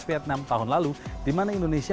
vietnam tahun lalu dimana indonesia